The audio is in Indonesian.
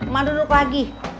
ma duduk lagi